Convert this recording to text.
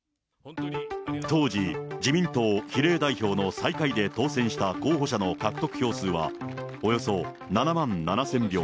当時、自民党比例代表の最下位で当選した候補者の獲得票数は、およそ７万７０００票。